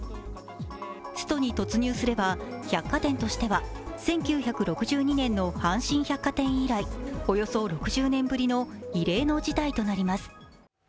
ストに突入すれば、百貨店としては１９６２年の阪神百貨店以来およそ６０年ぶりの異例の事態となります。